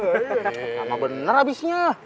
lama bener abisnya